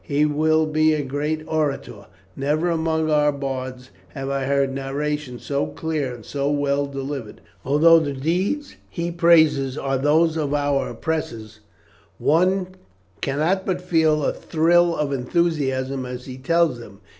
He will be a great orator; never among our bards have I heard narrations so clear and so well delivered; although the deeds he praises are those of our oppressors, one cannot but feel a thrill of enthusiasm as he tells them.